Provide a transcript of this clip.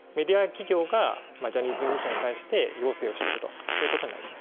企業がジャニーズ事務所に対して要請をしていくということになります。